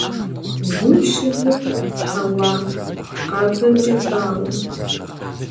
Гум щызу хьэуа къабзэмкӀэ бауэ.